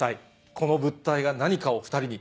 この物体が何かを２人に。